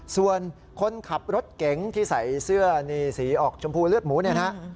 ส่วนคนขับรถเก๋งที่ใส่เสื้อนี่สีออกชมพูเลือดหมูเนี่ยนะฮะ